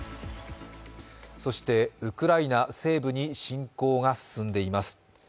そして、ウクライナ西部に侵攻が進んでいます。